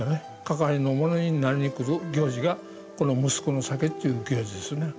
関わりの者になりにくる行事がこの息子ノ酒ちゅう行事ですね。